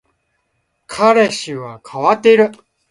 彼氏は変わっている